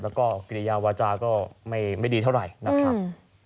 แล้วก็กิริยาวาจาก็ไม่ดีเท่าไหร่นะครับ